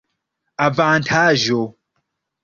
avantaĝo